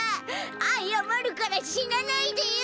あやまるからしなないでよ！